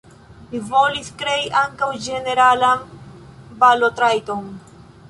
Li volis krei ankaŭ ĝeneralan balotrajton.